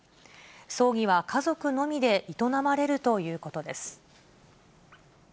葬儀は家族のみで営まれるということです。